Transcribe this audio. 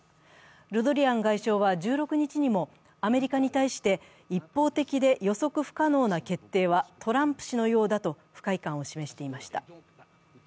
ルドリアン外相は１６日にもアメリカに対して一方的で予測不可能な決定はトランプ氏のようだと不快感を示していました。